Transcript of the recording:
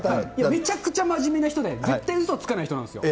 めちゃくちゃ真面目な人で、絶対うそはつかない人なんですよ。